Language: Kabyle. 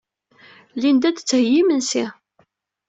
Linda ad d-theyyi imensi.